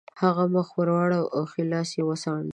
هغه مخ واړاوه او ښی لاس یې وڅانډه